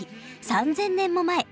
３，０００年も前！